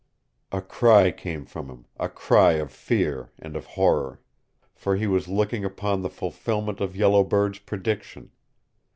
A cry came from him, a cry of fear and of horror, for he was looking upon the fulfilment of Yellow Bird's prediction.